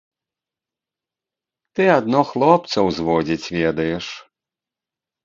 Ты адно хлопцаў зводзіць ведаеш!